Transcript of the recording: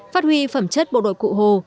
phát huy phẩm chất bộ đội cụ hồ